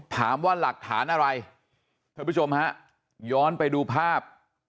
หลักฐานอะไรท่านผู้ชมฮะย้อนไปดูภาพ